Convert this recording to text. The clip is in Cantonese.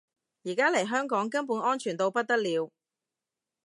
而家嚟香港根本安全到不得了